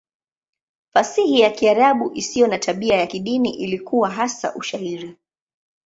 Fasihi ya Kiarabu isiyo na tabia ya kidini ilikuwa hasa Ushairi.